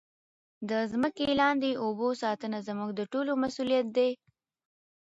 د مځکې لاندې اوبو ساتنه زموږ د ټولو مسؤلیت دی.